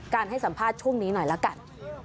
ให้สัมภาษณ์ช่วงนี้หน่อยละกัน